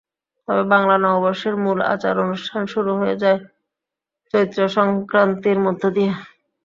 তবে বাংলা নববর্ষের মূল আচার অনুষ্ঠান শুরু হয়ে যায় চৈত্রসংক্রান্তির মধ্য দিয়ে।